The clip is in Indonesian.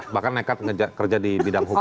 bahkan nekat kerja di bidang hukum